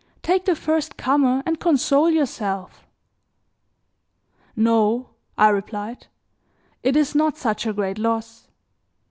Take the first comer and console yourself." "No," I replied, "it is not such a great loss.